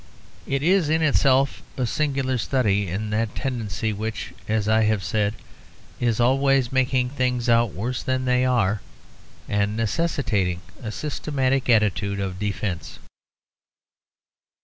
It is in itself a singular study in that tendency which, as I have said, is always making things out worse than they are, and necessitating a systematic attitude of defence.